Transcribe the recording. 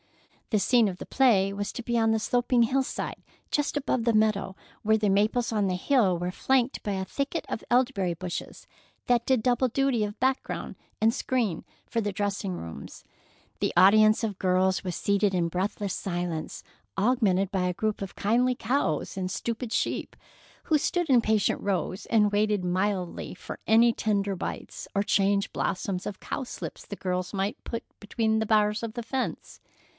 The scene of the play was to be on the sloping hillside just above the meadow, where the maples on the hill were flanked by a thicket of elderberry bushes that did double duty of background, and screen for the dressing rooms. The audience of girls was seated in breathless silence, augmented by a group of kindly cows and stupid sheep, who stood in patient rows and waited mildly for any tender bites or chance blossoms of cowslips the girls might put between the bars of the fence.